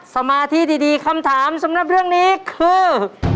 สมาธิดีคำถามสำหรับเรื่องนี้คือ